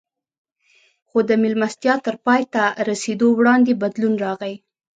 خو د مېلمستیا تر پای ته رسېدو وړاندې بدلون راغی